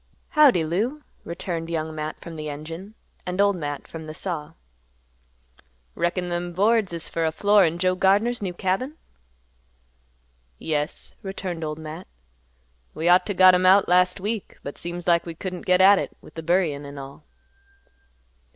"Howdy, Lou," returned Young Matt from the engine, and Old Matt from the saw. "Reckon them boards is fer a floor in Joe Gardner's new cabin?" "Yes," returned Old Matt; "we ought to got 'em out last week, but seems like we couldn't get at it with the buryin' an' all."